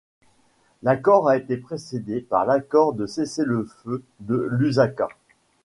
L'accord a été précédé par l'accord de cessez-le-feu de Lusaka.